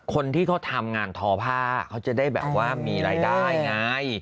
คนที่เขาทำงานทอผ้าเขาจะได้แบบว่ามีรายได้ไง